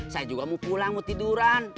saya juga mau pulang mau tiduran